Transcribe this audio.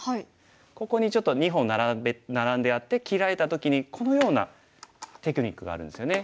ここにちょっと２本ナラんであって切られた時にこのようなテクニックがあるんですよね。